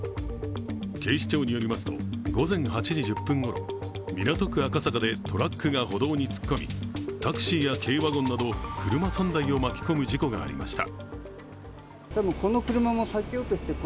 警視庁によりますと、午前８時１０分ごろ港区赤坂でトラックが歩道に突っ込み、タクシーや軽ワゴンなど車３台を巻き込む事故がありました。